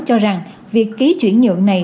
cho rằng việc ký chuyển nhượng này